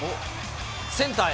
センターへ。